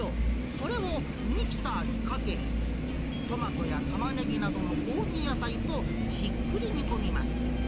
それをミキサーにかけ、トマトやたまねぎなどの香味野菜とじっくり煮込みます。